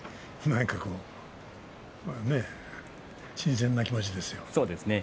何か、新鮮な気持ちですよ。